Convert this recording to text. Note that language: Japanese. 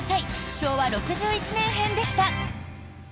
昭和６１年編でした！